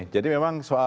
jadi memang soal